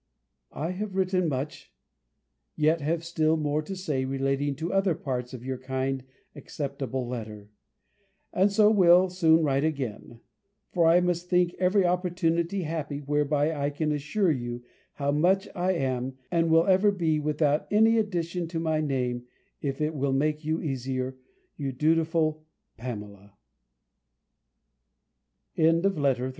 I have written much; yet have still more to say relating to other parts of your kind acceptable letter; and so will soon write again: for I must think every opportunity happy, whereby I can assure you, how much I am, and will ever be, without any addition to my name, if it will make you easier, your dutiful